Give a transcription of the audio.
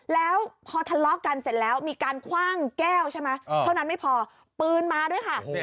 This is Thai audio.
แล้วพอทะเลาะกันเสร็จแล้วมีการคว่างแก้วใช่ไหมเท่านั้นไม่พอปืนมาด้วยค่ะ